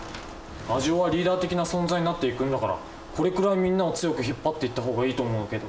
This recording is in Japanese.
アジオはリーダー的な存在になっていくんだからこれくらいみんなを強く引っ張っていった方がいいと思うけど。